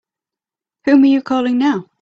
Whom are you calling now?